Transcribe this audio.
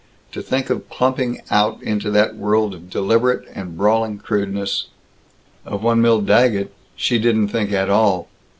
To think of clumping out into that world of deliberate and brawling crudeness Of one Milt Daggett she didn't think at all.